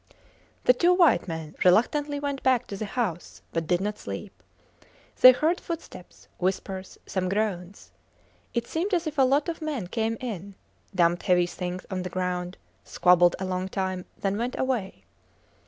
The two white men reluctantly went back to the house, but did not sleep. They heard footsteps, whispers, some groans. It seemed as if a lot of men came in, dumped heavy things on the ground, squabbled a long time, then went away.